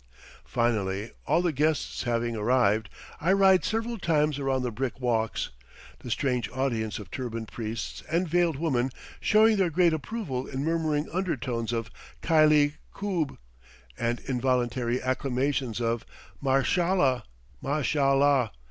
Finally, all the guests having arrived, I ride several times around the brick walks, the strange audience of turbaned priests and veiled women showing their great approval in murmuring undertones of "kylie khoob" and involuntary acclamations of "Mashallah! mash all ah!"